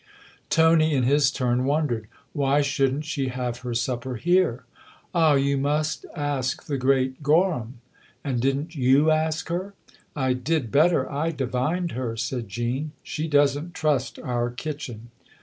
Tony in his turn wondered. "Why shouldn't she have her supper here ?"" Ah, you must ask the great Gorham !"" And didn't you ask her ?"" I did better I divined her," said Jean. "She doesn't trust our kitchen."